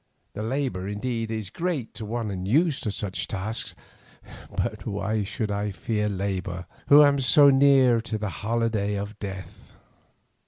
The labour, indeed, is great to one unused to such tasks; but why should I fear labour who am so near to the holiday of death?